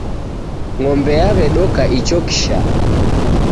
Ng'ombe yaw'edoka ichokisha.